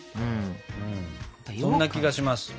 そんな気がします。